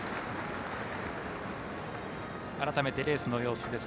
改めてレースの様子です。